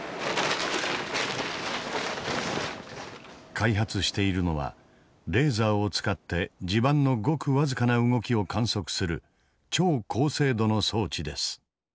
開発しているのはレーザーを使って地盤のごく僅かな動きを観測する超高精度の装置です。